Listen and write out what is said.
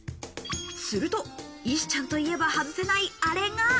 すると、石ちゃんといえば外せない、あれが。